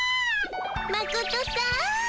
マコトさん。